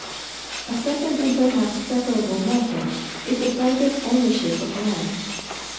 A second and perhaps preferable method is the private owner ship of land.